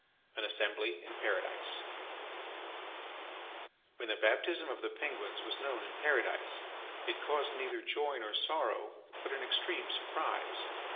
AN ASSEMBLY IN PARADISE When the baptism of the penguins was known in Paradise, it caused neither joy nor sorrow, but an extreme surprise.